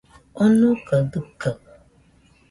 Onokaɨ dɨkaɨ